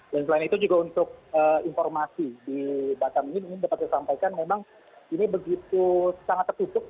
dan selain itu juga untuk informasi di batam ini mungkin dapat disampaikan memang ini begitu sangat tertutup